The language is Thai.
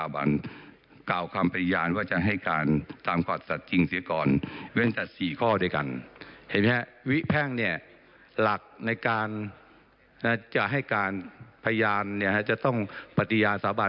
ฟังสักนิดหนึ่งไหมว่าคุณเสรีพิสุทธิ์พูดอะไรบ้างตอนนี้ฮะ